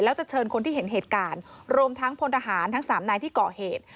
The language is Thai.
แล้วจะเชิญคนที่เห็นเหตุการณ์รวมทั้งพลทหารทั้งสามนายที่ก่อเหตุ